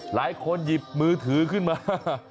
หลายคนหยิบมือถือขึ้นมา